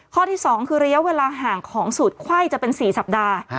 ข้อที่๒คือระยะเวลาห่างของสูตรไข้จะเป็น๔สัปดาห์